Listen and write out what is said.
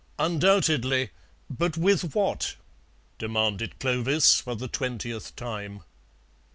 "Undoubtedly. But with what?" demanded Clovis for the twentieth time.